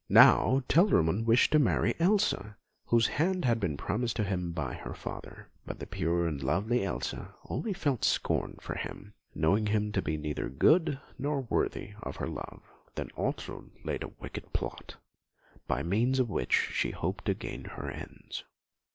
Now, Telramund wished to marry Elsa, whose hand had been promised him by her father; but the pure and lovely Elsa only felt scorn for him, knowing him to be neither good nor worthy of her love. Then Ortrud laid a wicked plot, by means of which she hoped to gain her ends.